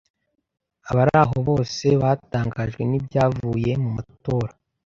Abari aho bose batangajwe n'ibyavuye mu matora